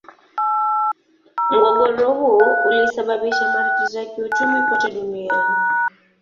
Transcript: Mgogoro huo ulisababisha matatizo ya kiuchumi kote duniani.